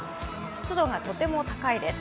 湿度がとても高いです。